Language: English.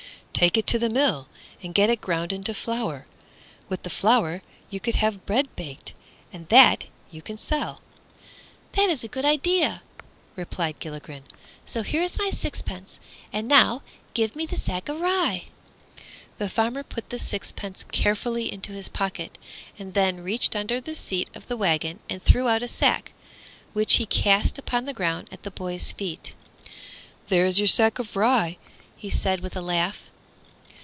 "Take it to the mill, and get it ground into flour. With the flour you could have bread baked, and that you can sell." "That is a good idea," replied Gilligren, "so here is my sixpence, and now give me the sack of rye." The farmer put the sixpence carefully into his pocket, and then reached under the seat of the wagon and drew out a sack, which he cast on the ground at the boy's feet. "There is your sack of rye," he said, with a laugh.